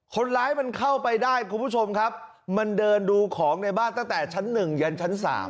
คนร้ายมันเข้าไปได้คุณผู้ชมครับมันเดินดูของในบ้านตั้งแต่ชั้น๑ยันชั้น๓